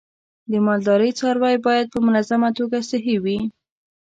د مالدارۍ څاروی باید په منظمه توګه صحي وي.